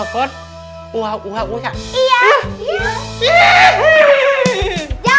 jangan lupa ya di aula